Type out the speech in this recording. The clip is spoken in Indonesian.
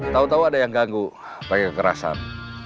tahu tahu ada yang ganggu pakai kekerasan